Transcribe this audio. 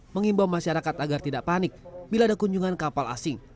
mengimbau masyarakat agar tidak panik bila ada kunjungan kapal asing